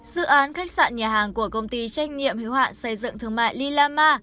dự án khách sạn nhà hàng của công ty trách nhiệm hữu hạn xây dựng thương mại lilama